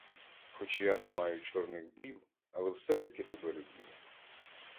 Хоч я не маю чорних брів, але все-таки тебе люблю.